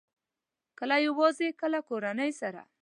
کله یوازې، کله کورنۍ سره